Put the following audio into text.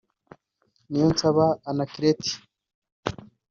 Niyonsaba Anaclet